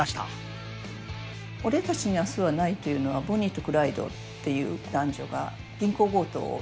「俺たちに明日はない」というのはボニーとクライドっていう男女が銀行強盗を。